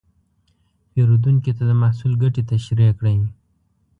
پیرودونکي ته د محصول ګټې تشریح کړئ.